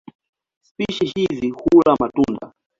Spishi hizi hula matunda.